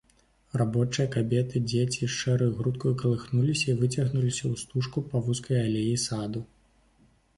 Рабочыя, кабеты, дзеці шэраю грудаю калыхнуліся і выцягнуліся ў стужку па вузкай алеі саду.